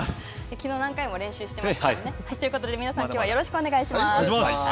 きのう何回も練習していましたよね。ということで皆さん、きょうはよろしくお願いします。